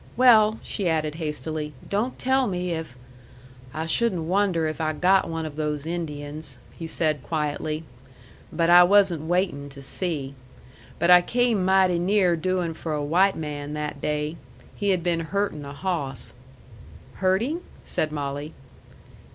"Well," she added hastily, "don't tell me if " "I shouldn't wonder if I got one of those Indians," he said quietly. "But I wasn't waitin' to see! But I came mighty near doing for a white man that day. He had been hurtin' a hawss." "Hurting?" said Molly.